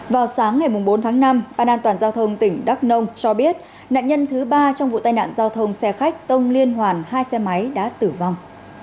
vào sáng ngày bốn tháng năm ban an toàn giao thông tỉnh đắk nông cho biết nạn nhân thứ ba trong vụ tai nạn giao thông xe khách tông liên hoàn hai xe máy đã tử vong